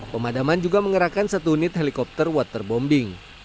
pemadaman juga mengerahkan satu unit helikopter waterbombing